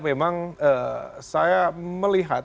memang saya melihat